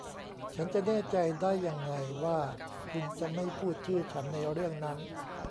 ฉันจะแน่ใจได้ยังไงว่าคุณจะไม่พูดชื่อฉันในเรื่องนั้น